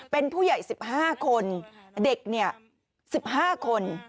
เป็นผู้ใหญ่๑๕คนเด็ก๑๕คน